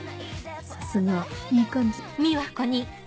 さすがいい感じ。